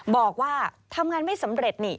บอกว่าทำงานไม่สำเร็จนี่